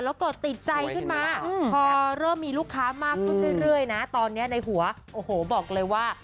แล้วเกิดติดใจขึ้นมาพอเริ่มมีลูกค้ามากขึ้นเรื่อยนะตอนนี้ในหัวโอ้โหบอกเลยว่า